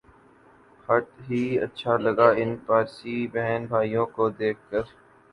ہت ھی اچھا لگا ان پارسی بہن بھائیوں کو دیکھ کر